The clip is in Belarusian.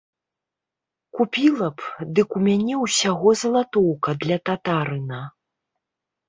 Купіла б, дык у мяне ўсяго залатоўка для татарына.